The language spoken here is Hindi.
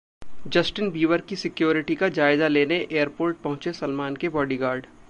जस्टिन बीबर की सिक्युरिटी का जायजा लेने एयरपोर्ट पहुंचे सलमान के बॉडीगार्ड